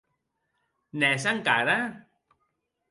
N'ès encara?